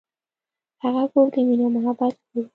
هغه کور د مینې او محبت کور و.